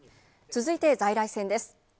続いて在来線です。